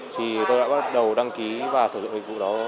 thì tôi đã bắt đầu đăng ký và sử dụng dịch vụ đó